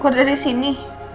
keluar dari sini